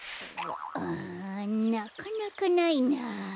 うんなかなかないな。